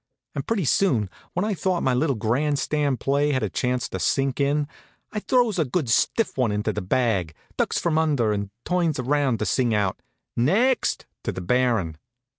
And pretty soon, when I thought my little grandstand play'd had a chance to sink in, I throws a good stiff one into the bag, ducks from under, and turns around to sing out "Next!" to the Baron.